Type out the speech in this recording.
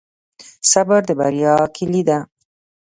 صبر د بریا کیلي ده.